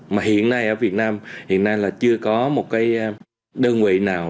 mà hiện nay ở việt nam hiện nay là chưa có một cái đơn vị nào